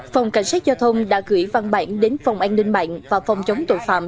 phòng cảnh sát giao thông đã gửi văn bản đến phòng an ninh mạng và phòng chống tội phạm